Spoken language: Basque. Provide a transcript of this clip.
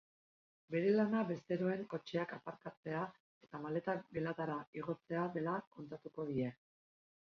Bere lana bezeroen kotxeak aparkatzea eta maletak geletara igotzea dela kontatuko die.